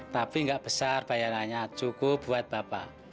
tapi nggak besar bayarannya cukup buat bapak